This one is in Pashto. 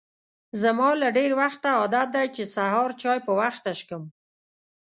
زما له ډېر وخته عادت دی چې سهار چای په وخته څښم.